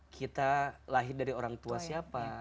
kita lahir dari orang tua siapa